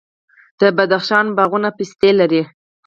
د بدخشان باغونه پستې لري.